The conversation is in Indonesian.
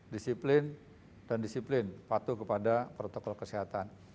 disiplin dan disiplin patuh kepada protokol kesehatan